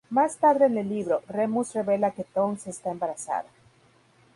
Más tarde en el libro, Remus revela que Tonks está embarazada.